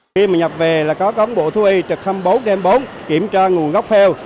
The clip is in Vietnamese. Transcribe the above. khi mà nhập về là có bộ thu y trực thâm bấu game bốn kiểm tra nguồn gốc heo